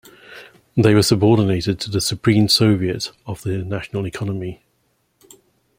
They were subordinated to the Supreme Soviet of the National Economy.